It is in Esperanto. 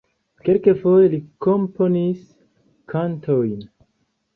Kelkfoje li komponis kantojn.